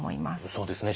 そうですね